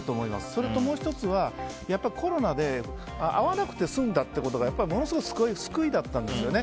それともう１つは、コロナで会わなくて済んだっていうことがものすごく救いだったんですよね。